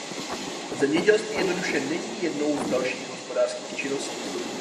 Zemědělství jednoduše není jednou z dalších hospodářských činností.